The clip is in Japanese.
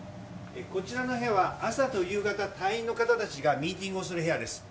こちらの部屋は朝と夕方に隊員の方たちがミーティングする部屋です。